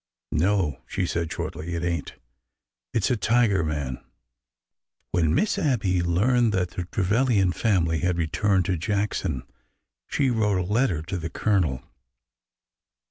No/' she said shortly, '' it ain't. It 's a Tigerman." When Miss Abby learned that the Trevilian family had returned to Jackson, she wrote a letter to the Colonel.